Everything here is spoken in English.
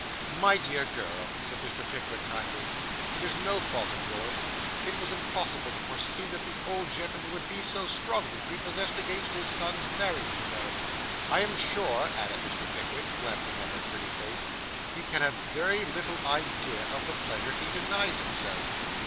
'My dear girl,' said Mr. Pickwick kindly, 'it is no fault of yours. It was impossible to foresee that the old gentleman would be so strongly prepossessed against his son's marriage, you know. I am sure,' added Mr. Pickwick, glancing at her pretty face, 'he can have very little idea of the pleasure he denies himself.